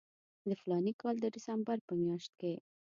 د فلاني کال د ډسمبر په میاشت کې.